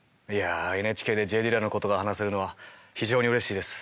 いやＮＨＫでＪ・ディラのことが話せるのは非常にうれしいです。